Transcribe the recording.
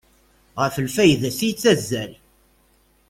Ɣef lfayda-is yettazzal.